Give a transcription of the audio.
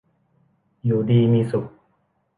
อยู่ดีมีสุข